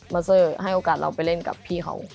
เซอร์ให้โอกาสเราไปเล่นกับพี่เขา